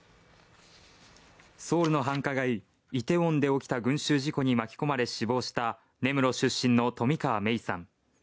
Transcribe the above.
ソウルの繁華街、イテウォンで起きた群集事故に巻き込まれ死亡した根室出身の冨川芽生さん。